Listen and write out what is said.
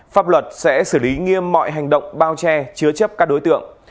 pháp luật sẽ xử lý nghiêm mọi hành động bao che chứa chấp các đối tượng